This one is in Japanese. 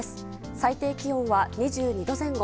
最低気温は２２度前後。